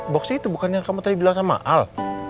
boxnya itu bukan yang kamu tadi bilang sama al